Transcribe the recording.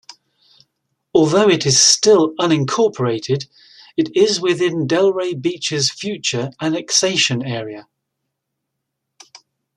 Although it is still unincorporated, it is within Delray Beach's future annexation area.